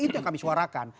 itu yang kami suarakan